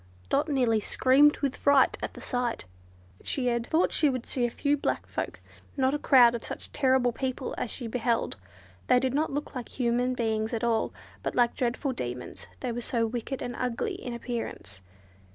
Dot nearly screamed with fright at the sight. She had thought she would see a few black folk, not a crowd of such terrible people as she beheld. They did not look like human beings at all, but like dreadful demons, they were so wicked and ugly in appearance.